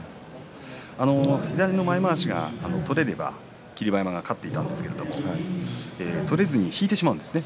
左の前まわしが取れれば霧馬山は勝っていたんですが取れずに引いてしまうんですね。